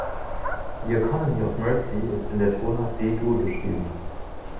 „The Economy Of Mercy“ ist in der Tonart D-Dur geschrieben.